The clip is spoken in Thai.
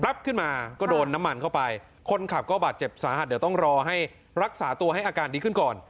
ขึ้นมาก็โดนน้ำมันเข้าไปคนขับก็บาดเจ็บสาหัสเดี๋ยวต้องรอให้รักษาตัวให้อาการดีขึ้นก่อน